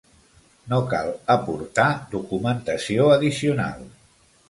No cal aportar documentació addicional.